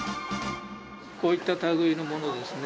こういった類いのものですね。